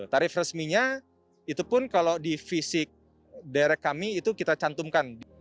tarif resminya itu pun kalau di fisik direct kami itu kita cantumkan